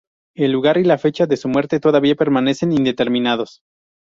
El lugar y la fecha de su muerte todavía permanecen indeterminados.